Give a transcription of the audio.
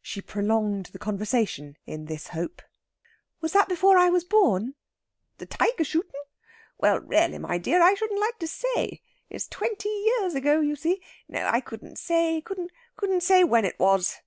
She prolonged the conversation in this hope. "Was that before I was born?" "The tiger shootin'? Well, reely, my dear, I shouldn't like to say. It's twenty years ago, you see. No, I couldn't say couldn't say when it was."